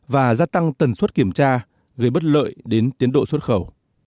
và gia tăng tần suất kiểm tra gây bất lợi đến tiến độ xuất khẩu